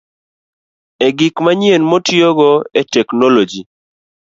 E gik manyien mitiyogo e teknoloji.